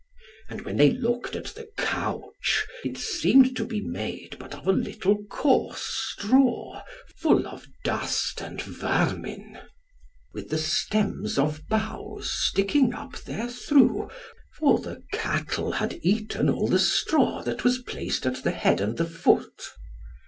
And when they looked at the couch, it seemed to be made but of a little coarse straw full of dust and vermin, with the stems of boughs sticking up therethrough, for the cattle had eaten all the straw that was placed at the head and the foot.